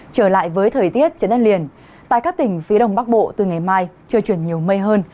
trở lại với thời tiết trên đất liền tại các tỉnh phía đông bắc bộ từ ngày mai trời chuyển nhiều mây hơn